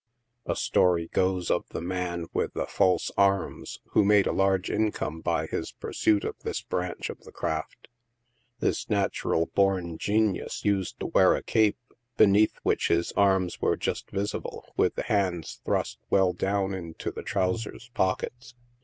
A story goes of the " man with the false arms," who made a large income by his pursuit of this branch of the craft. This natural born genius used to wear a cape, beneath which his arms were just visible, with the hands thrust well down into the trouser's pockets.